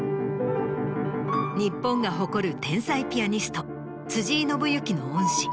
日本が誇る天才ピアニスト辻井伸行の恩師